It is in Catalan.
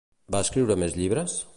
Va escriure més llibres?